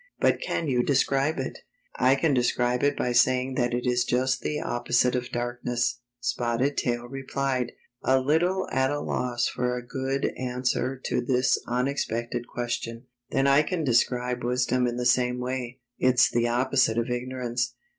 But can you describe it? "" I can describe it by saying that it is just the opposite of darkness," Spotted Tail replied, a little at a loss for a good answer to this imex pected question. " Then I can describe wisdom in the same way. It's the opposite of ignorance."